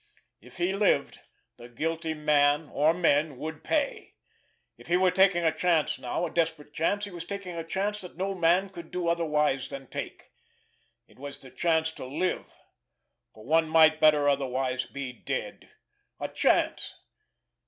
If he lived, the guilty man, or men, would pay! If he were taking a chance now, a desperate chance, he was taking a chance that no man could do otherwise than take. It was the chance to live—for one might better otherwise be dead! A chance!